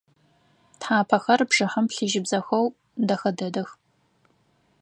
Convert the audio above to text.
Тхьапэхэр бжыхьэм плъыжьыбзэхэу дэхэ дэдэх.